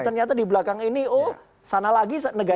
ternyata di belakang ini oh sana lagi negara